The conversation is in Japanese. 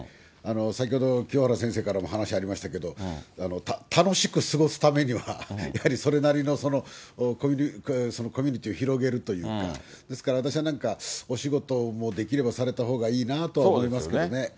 先ほど、清原先生からも話ありましたけれども、楽しく過ごすためには、やはりそれなりの、そのコミュニティーを広げるというか、ですから私は何かお仕事も、できればされたほうがいいなとは思いますけどね。